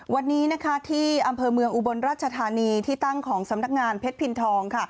วันนี้นะคะที่อำเภอเมืองอุบลราชธานีที่ตั้งของสำนักงานเพชรพินทองค่ะ